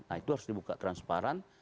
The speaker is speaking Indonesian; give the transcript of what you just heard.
nah itu harus dibuka transparan